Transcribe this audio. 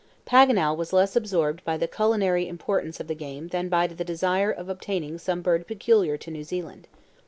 Paganel was less absorbed by the culinary importance of the game than by the desire of obtaining some bird peculiar to New Zealand.